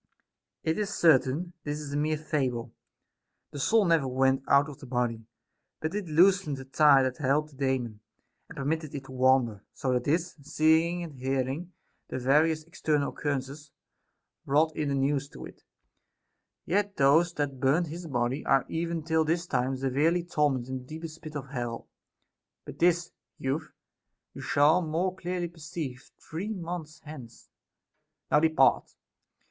It is certain, this is a mere fable. The soul never went out of the body, but it loosened the tie that held the Daemon, and permitted it to wander ; so that this, seeing and hearing the various external occurrences, brought in the news to it ; yet those that burnt his body are even till this time severely tormented in the deepest pit of hell. But this, youth, you shall more clearly perceive three months hence ; now depart.